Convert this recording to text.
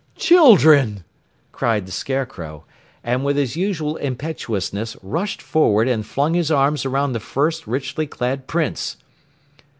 "Children!" cried the Scarecrow, and with his usual impetuousness rushed forward and flung his arms around the first richly clad Prince.